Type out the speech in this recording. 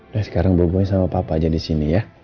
ya sekarang bubuknya sama papa aja disini ya